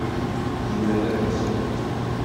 Җөмләдән берсе.